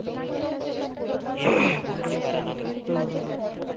Bike গ্যাংকে খুজতে হবে না।